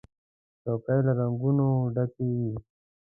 چوکۍ له رنګونو ډکې وي.